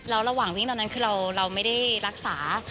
แล้วระหว่างวิ่งตอนนั้นคือเราไม่ได้รักษา